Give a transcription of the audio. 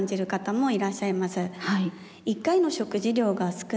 はい。